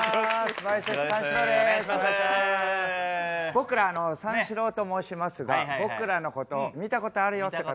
僕ら三四郎と申しますが僕らのこと見たことあるよって方。